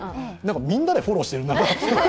みんなでフォローしているな。